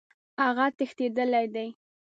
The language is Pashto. هغه تښتېدلی دی.